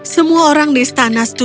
semua orang di istana